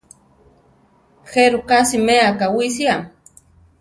¿Jéruka siméa kawísia?